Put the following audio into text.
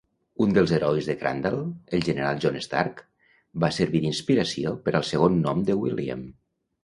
Un del herois de Crandall, el general John Stark, va servir d'inspiració per al segon nom de William.